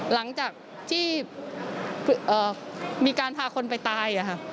หลังจากที่มีการพาคนไปตาย